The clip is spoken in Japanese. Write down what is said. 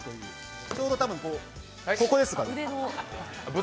ちょうどここです。